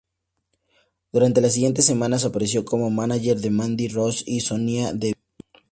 Durante las siguientes semanas, apareció como mánager de Mandy Rose y Sonya Deville.